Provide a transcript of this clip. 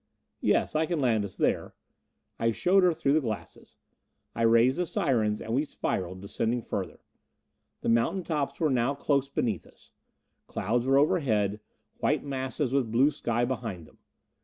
"Yes. I can land us there." I showed her through the glasses. I rang the sirens, and we spiraled, descending further. The mountain tops were now close beneath us. Clouds were overhead, white masses with blue sky behind them.